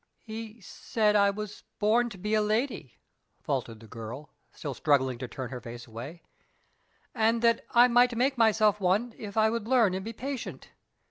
"He said I was born to be a lady," faltered the girl, still struggling to turn her face away, "and that I might make myself one if I would learn and be patient.